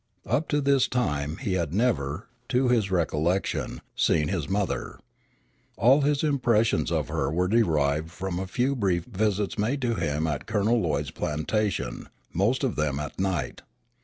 Up to this time he had never, to his recollection, seen his mother. All his impressions of her were derived from a few brief visits made to him at Colonel Lloyd's plantation, most of them at night.